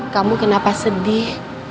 kamu kenapa sedih